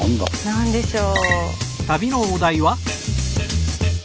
何でしょう。